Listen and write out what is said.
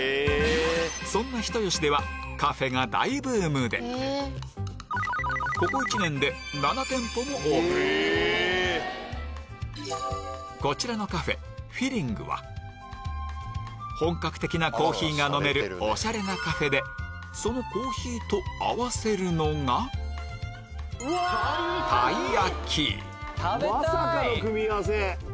そんな人吉ではこちらのカフェ本格的なコーヒーが飲めるオシャレなカフェでそのコーヒーと合わせるのがまさかの組み合わせ！